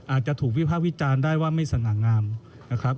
อาจจะถูกวิภาควิจารณ์ได้ว่าไม่สง่างามนะครับ